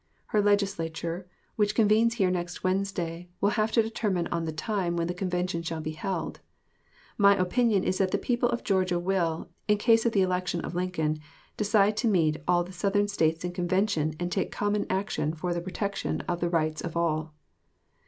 Her Legislature, which convenes here next Wednesday, will have to determine on the time when the convention shall be held. My opinion is that the people of Georgia will, in case of the election of Lincoln, decide to meet all the Southern States in convention and take common action for the protection of the rights of all.